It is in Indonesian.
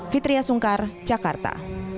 fitriah sungkar jakarta